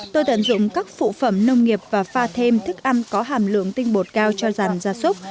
tôi tận dụng các phụ phẩm nông nghiệp và pha thêm thức ăn có hàm lượng tinh bột cao cho dàn gia súc